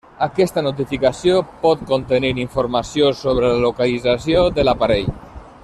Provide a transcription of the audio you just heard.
Aquesta notificació pot contenir informació sobre la localització de l'aparell.